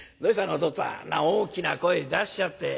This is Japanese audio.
お父っつぁんそんな大きな声出しちゃって。